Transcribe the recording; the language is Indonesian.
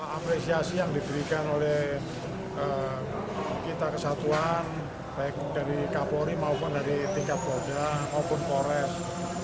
apresiasi yang diberikan oleh kita kesatuan baik dari kapolri maupun dari tingkat polda maupun polres